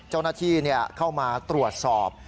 เจ้าหน้าที่เข้ามาตรวจสอบ